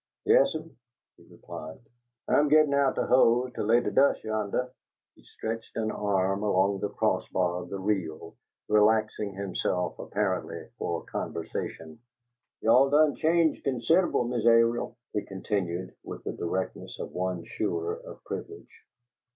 "Yes'm," he replied. "I'm a gittin' out de hose to lay de dus' yonnah." He stretched an arm along the cross bar of the reel, relaxing himself, apparently, for conversation. "Y'all done change consid'able, Miss Airil," he continued, with the directness of one sure of privilege.